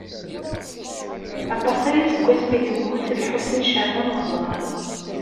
Aṭas aya seg wasmi ay yemmut Lḥusin n Caɛban u Ṛemḍan.